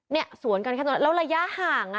เนี่ยสวนกันแค่นั้นแล้วระยะห่างอ่ะ